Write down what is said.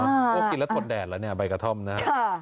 ว่ากินแล้วทนแดดแล้วเนี่ยใบกระท่อมนะ